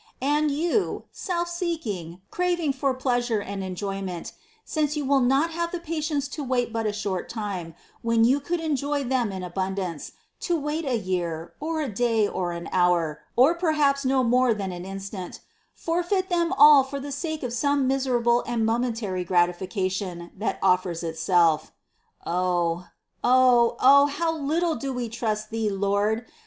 And you, self seeking, craving for pleasure and enjoyment, since you will not have the patience to wait but a short time, when you could enjoy them in abundance — to wait a year, or a day, or an hour, or perhaps no more than an instant — forfeit them all for the sake of some miserable and momentary gratification that offers itself. 4. Oh, oh, oh ! How little do we trust Thee, Lord